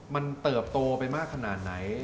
มันเติบโตไปมากขนาดไหน